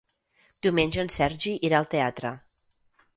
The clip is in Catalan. Diumenge en Sergi irà al teatre.